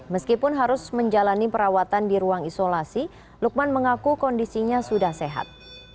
meskipun harus menjalani perawatan di ruang isolasi lukman mengaku kondisinya sudah sehat